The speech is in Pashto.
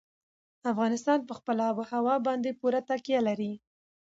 افغانستان په خپله آب وهوا باندې پوره تکیه لري.